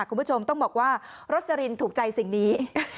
คุณผู้ชมต้องบอกว่าโรสลินถูกใจสิ่งนี้